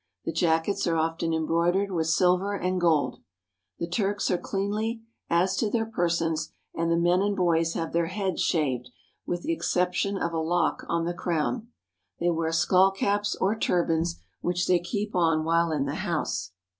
The jackets are often embroidered with silver and gold. The Turks are cleanly as to their persons, and the men and boys have their heads shaved, with the exception of a lock on the crown. They wear skullcaps or tur bans, which they keep on while in the house.